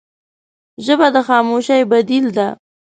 ژبه د خاموشۍ بدیل ده